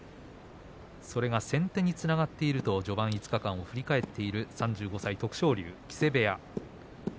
それが先手につながっていると序盤５日間と振り返っている徳勝龍です、木瀬部屋。